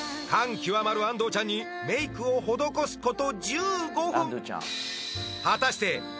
極まる安藤ちゃんにメイクを施すこと１５分お！